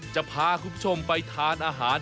จะพาคุณผู้ชมไปทานอาหาร